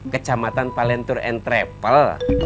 kecamatan palen tour and travel